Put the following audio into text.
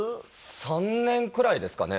３年くらいですかね。